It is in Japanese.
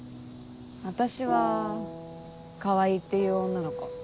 私は川合っていう女の子。